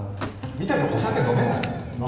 三谷さん、お酒飲めないですよね